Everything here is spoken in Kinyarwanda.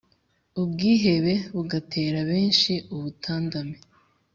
Ubwihebe bugatera benshi ubutandame